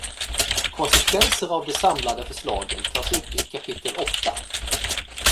Konsekvenser av de samlade förslagen tas upp i kapitel åtta.